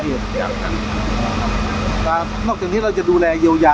เพราะว่าเมืองนี้จะเป็นที่สุดท้าย